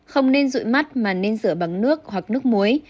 không nên rụi mắt mà nên rửa bằng nước hoặc nước muối